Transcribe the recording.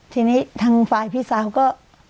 ทีนี้ทางฝ่ายพี่สาวก็